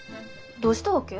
どうしたわけ？